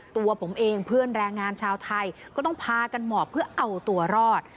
ตัวผมเองเพื่อนแรงงานชาวไทยก็ต้องพากันหมอบเพื่อเอาตัวรอด